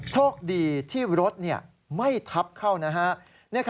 โชคดีที่รถไม่ทับเข้านะฮะ